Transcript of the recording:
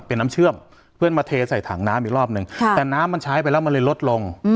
เพื่อนมาเทใส่ถังน้ำอีกรอบหนึ่งแต่น้ำมันใช้ไปแล้วมันเลยลดลง